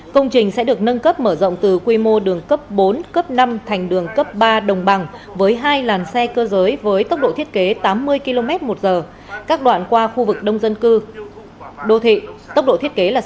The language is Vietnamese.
công trình sẽ được nâng cấp mở rộng từ quy mô đường cấp bốn cấp năm thành đường cấp ba đồng bằng với hai làn xe cơ giới với tốc độ thiết kế tám mươi km một giờ các đoạn qua khu vực đông dân cư đô thị tốc độ thiết kế là sáu mươi km một giờ